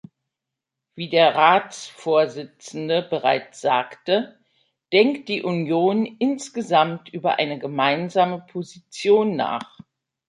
Wie der Ratsvorsitzende bereits sagte, denkt die Union insgesamt über eine gemeinsame Position nach.